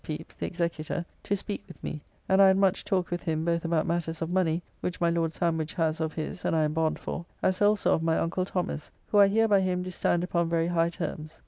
Pepys the Executor, to speak with me, and I had much talk with him both about matters of money which my Lord Sandwich has of his and I am bond for, as also of my uncle Thomas, who I hear by him do stand upon very high terms.